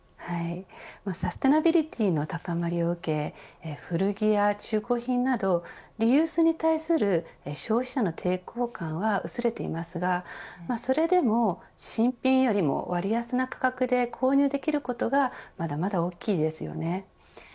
サスティナビリティーの高まりを受け古着や中古品などリユースに対する消費者の抵抗感が薄れていますがそれでも新品よりも割安な価格で購入できることがまだまだ大きいですよね。